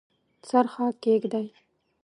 څرخه کښیږدي